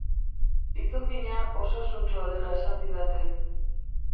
Izokina osasuntsua dela esan didate.